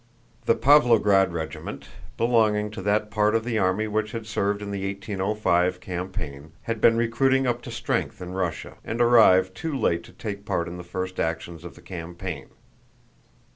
The Pávlograd regiment, belonging to that part of the army which had served in the 1805 campaign, had been recruiting up to strength in Russia, and arrived too late to take part in the first actions of the campaign.